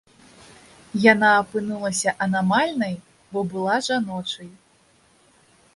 Яна апынулася анамальнай, бо была жаночай.